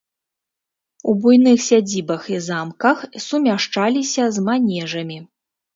У буйных сядзібах і замках сумяшчаліся з манежамі.